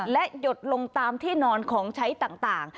และหยดลงตามที่นอนของใช้ต่าง